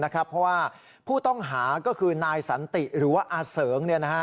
เพราะว่าผู้ต้องหาก็คือนายสันติหรือว่าอาเสริง